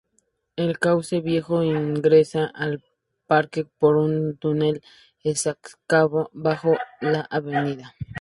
El Cauce Viejo ingresa al Parque por un túnel excavado bajo la Av.